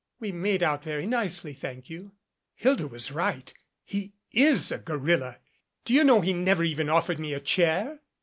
"We made out very nicely, thank you." "Hilda was right. He is a gorilla. Do you know he never even offered me a chair?"